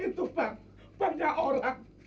itu bang banyak orang